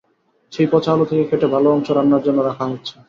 সেই পচা আলু থেকে কেটে ভালো অংশ রান্নার জন্য রাখা হচ্ছে।